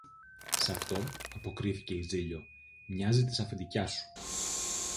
Σ' αυτό, αποκρίθηκε η Ζήλιω, μοιάζει της αφεντιάς σου.